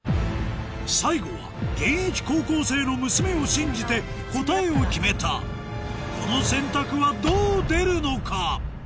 最後は現役高校生の娘を信じて答えを決めたこの選択はどう出るのか？